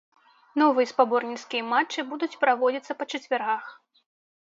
Новыя спаборніцкія матчы будуць праводзіцца па чацвяргах.